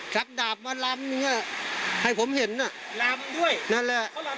ชักดาบมาลำให้ผมเห็นนัก